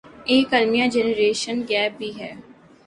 ایک المیہ generation gap بھی ہے